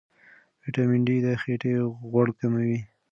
ویټامین ډي د خېټې غوړ کموي.